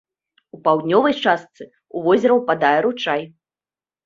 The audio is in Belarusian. У паўднёвай частцы ў возера ўпадае ручай.